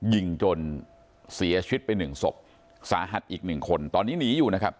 ยิงจนเสียชีวิตไปหนึ่งศพสาหัสอีกหนึ่งคนตอนนี้หนีอยู่นะครับ